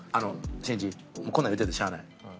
しんいちこんなん言うててもしゃあない。